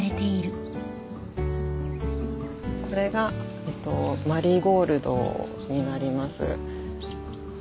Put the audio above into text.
これがえっとマリーゴールドになります。